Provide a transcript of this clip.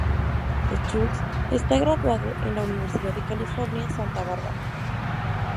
Schulz está graduado en la Universidad de California, Santa Barbara.